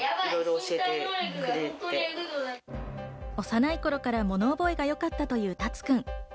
幼い頃から物覚えがよかったという、タツくん。